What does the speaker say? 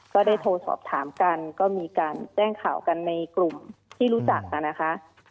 ก็ได้โทรสอบถามกันก็มีการแจ้งข่าวกันในกลุ่มที่รู้จักนะคะ